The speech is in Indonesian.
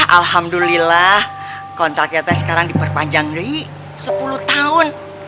alhamdulillah kontraknya teh sekarang diperpanjang sepuluh tahun